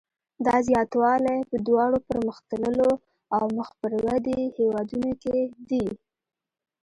دا زیاتوالی په دواړو پرمختللو او مخ پر ودې هېوادونو کې دی.